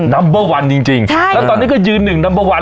ัมเบอร์วันจริงแล้วตอนนี้ก็ยืนหนึ่งนัมเบอร์วัน